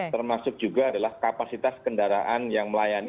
termasuk juga adalah kapasitas kendaraan yang melayani